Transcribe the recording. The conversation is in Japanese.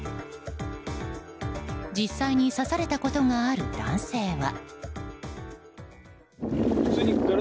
実際に刺されたことがある男性は。